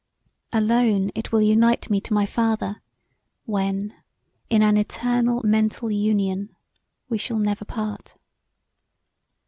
Alone it will unite me to my father when in an eternal mental union we shall never part.